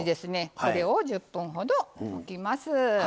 これを１０分ほどおきます。